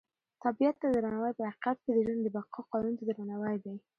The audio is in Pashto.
طبیعت ته درناوی په حقیقت کې د ژوند د بقا قانون ته درناوی دی.